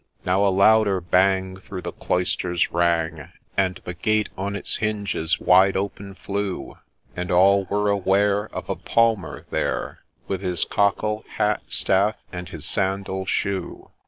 Now a louder bang through the cloisters rang, And the gate on its hinges wide open flew ; And all were aware of a Palmer there, With his cockle, hat, staff, and his sandal shoe.